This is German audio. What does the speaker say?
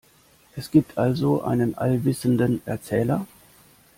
Es gibt also einen allwissenden Erzähler.